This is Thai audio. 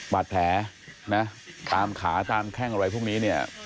บาดแผลนะตามขาตามแข้งอะไรพวกนี้เนี่ย